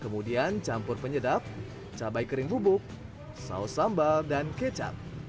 kemudian campur penyedap cabai kering bubuk saus sambal dan kecap